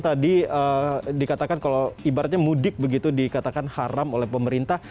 tadi dikatakan kalau ibaratnya mudik begitu dikatakan haram oleh pemerintah